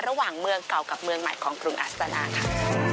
ระหว่างเมืองเก่ากับเมืองใหม่ของกรุงอัสตานาค่ะ